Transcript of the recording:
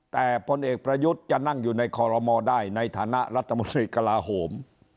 แต่พลเอกประยุทธ์จะนั่งอยู่ในคอรมอลได้ในฐานะรัฐมนตรีกระลาโหม